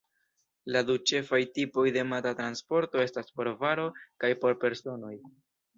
La du ĉefaj tipoj de mata transporto estas por varoj kaj por personoj.